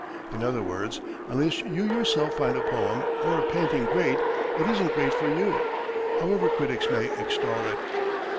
In other words, unless you yourself find a poem or a painting great, it isn't great for you, however critics may extol it.